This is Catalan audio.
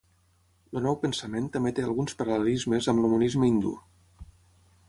El Nou Pensament també té alguns paral·lelismes amb el monisme hindú.